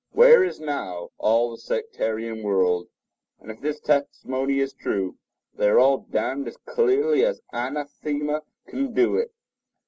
Where is now all the sectarian world? And if this testimony is true, they are all damned as clearly as anathema can do it.